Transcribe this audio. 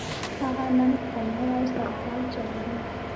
هغه نن خپل نوی سایکل چلوي